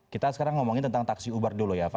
kita sekarang ngomongin tentang taksi uber dulu ya fah